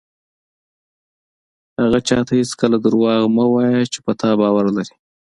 هغه چاته هېڅکله دروغ مه وایه چې په تا باور لري.